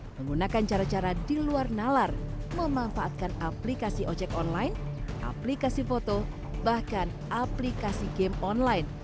menggunakan cara cara di luar nalar memanfaatkan aplikasi ojek online aplikasi foto bahkan aplikasi game online